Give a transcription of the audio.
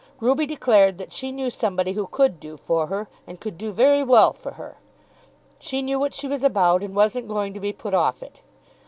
Ruby declared that she knew somebody who could do for her, and could do very well for her. She knew what she was about, and wasn't going to be put off it.